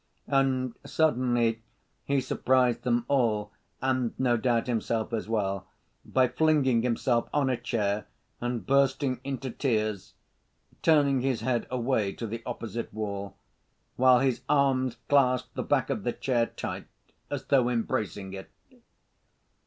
And suddenly he surprised them all, and no doubt himself as well, by flinging himself on a chair, and bursting into tears, turning his head away to the opposite wall, while his arms clasped the back of the chair tight, as though embracing it.